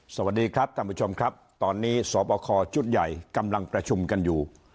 สวัสดีครับท่านผู้ชมครับตอนนี้สอบคอชุดใหญ่กำลังประชุมกันอยู่